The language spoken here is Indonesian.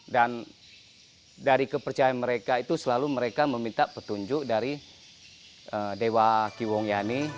dan dari kepercayaan mereka itu selalu mereka meminta petunjuk dari dewa kiwong yani